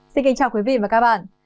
xin kính chào quý vị và các bạn